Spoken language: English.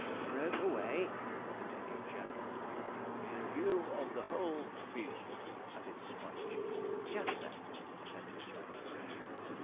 '"Broke away,"' continued Jack: '"In view of the whole field,"' added Sponge. 'Just so,' assented Jack.